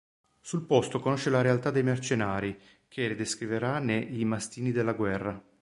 Sul posto conosce la realtà dei mercenari, che descriverà ne "I mastini della guerra".